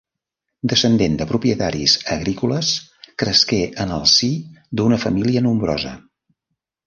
Descendent de propietaris agrícoles, cresqué en el si d'una família nombrosa.